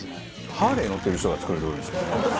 ハーレー乗ってる人が作る料理ですよ。